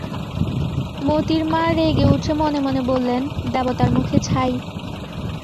মোতির মা রেগে উঠে মনে মনে বললে, দেবতার মুখে ছাই!